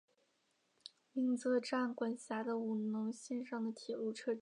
鸣泽站管辖的五能线上的铁路车站。